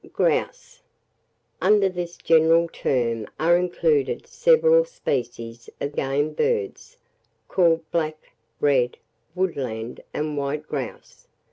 GROUSE. Under this general term are included several species of game birds, called black, red, woodland, and white grouse.